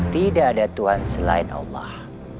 tidak ada tuhan selain allah